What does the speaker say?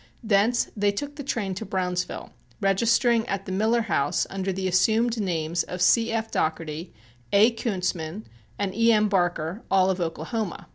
Thence they took the train to Brownsville, registering at the Miller House under the assumed names of C. F. Dougherty, A. Koontzman and E. M. Barker, all of Oklahoma.